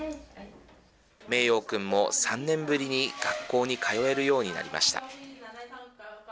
名洋くんも３年ぶりに学校に通えるようになりました。